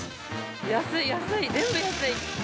安い、安い、全部安い。